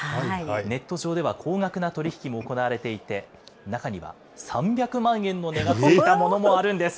ネット上では高額な取り引きも行われていて、中には３００万円の値がついたものもあるんです。